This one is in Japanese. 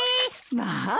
まあ。